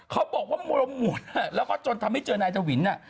เขาบอกว่ามลมหมุนแล้วก็จนทำให้เจอนายทวิน